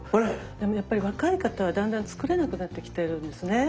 でもやっぱり若い方はだんだん作らなくなってきているんですね。